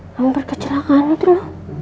lampar kecelakaan itu loh